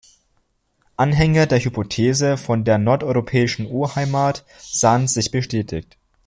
Anhänger der Hypothese von der nordeuropäischen Urheimat sahen sich bestätigt.